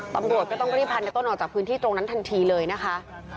ตำรวจก็ต้องรีบพาในต้นออกจากพื้นที่ตรงนั้นทันทีเลยนะคะ